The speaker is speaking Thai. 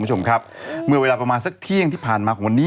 นะครับมีเวลาประมาณสักที่ที่ผ่านมาวันนี้